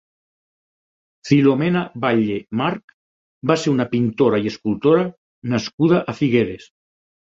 Filomena Batlle March va ser una pintora i escultora nascuda a Figueres.